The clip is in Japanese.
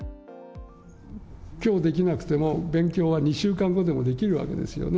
きょうできなくても、勉強は２週間後でもできるわけですよね。